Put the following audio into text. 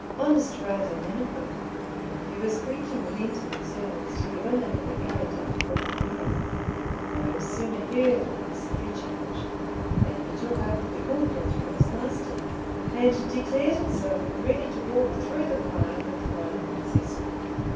Honest Fra Domenico, then, who was preaching Lenten sermons to the women in the Via del Cocomero, no sooner heard of this new challenge, than he took up the gauntlet for his master, and declared himself ready to walk through the fire with Fra Francesco.